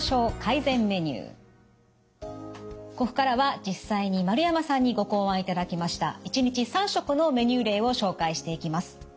ここからは実際に丸山さんにご考案いただきました１日３食のメニュー例を紹介していきます。